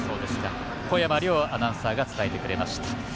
小山凌アナウンサーが伝えてくれました。